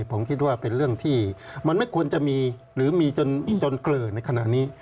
ผมคิดว่าเป็นเรื่องที่มันไม่ควรจะมีหรือมีจนเกลอในขณะนี้